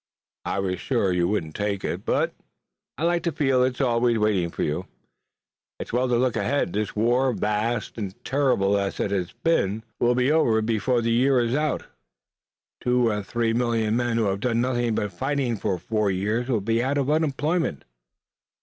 "I was sure you wouldn't take it, but I like to feel it's always waiting for you. It's well to look ahead. This war, vast and terrible as it has been, will be over before the year is. Two or three million men who have done nothing but fighting for four years will be out of employment.